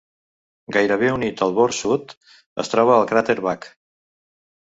Gairebé unit al bord sud es troba el cràter Back.